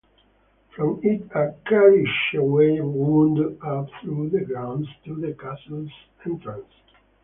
From it a carriageway wound up through the grounds to the castle's entrance.